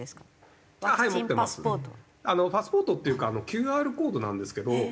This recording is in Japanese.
パスポートっていうかＱＲコードなんですけど。